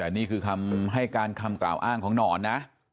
แต่นี่คือคำให้การคำกล่าวอ้างของหนอนนะ